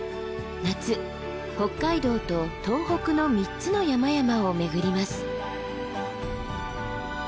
夏北海道と東北の３つの山々を巡ります。